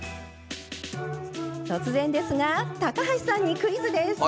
突然ですが高橋さんにクイズです。